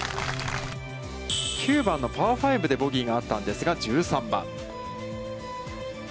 ９番のパー５でボギーがあったんですが、１３番。